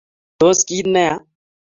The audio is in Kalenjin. Tos ,kiit neya?